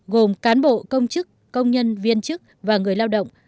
gồm cán bộ công chức công nhân viên chức và người lao động